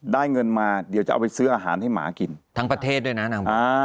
ได้เงินมาเดี๋ยวจะเอาไปซื้ออาหารให้หมากินทั้งประเทศด้วยนะนาง